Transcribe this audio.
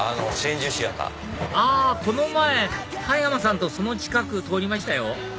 この前田山さんとその近く通りましたよ